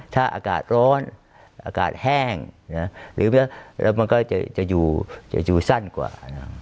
ถ้าอากาศร้อนอากาศแห้งหรือมันก็จะอยู่สั้นกว่า